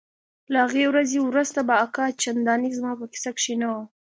له هغې ورځې وروسته به اکا چندانې زما په کيسه کښې نه و.